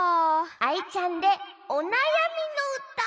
アイちゃんで「おなやみのうた」！